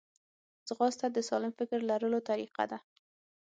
ځغاسته د سالم فکر لرلو طریقه ده